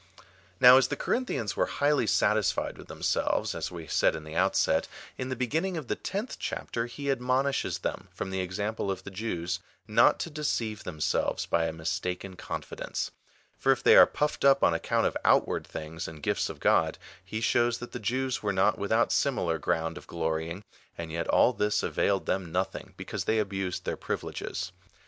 Now as the Corinthians were highly satisfied with them selves, as we said in the outset, in the beginning of the tenth chapter he admonishes them, from the example of the Jews, not to deceive themselves by a mistaken confidence ; for if they are puffed up on account of outward things and gifts of God, he shows that the Jews were not without similar ground of glorying, and yet all this availed them nothing, because they abused their privileges.